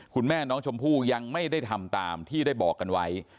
คุณแม่น้องชมพู่ยังไม่ได้ทำตามที่ได้บอกกันไว้